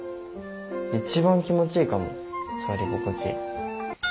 一番気持ちいいかも触り心地。